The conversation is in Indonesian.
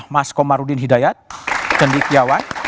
mas komarudin hidayat cendikiawan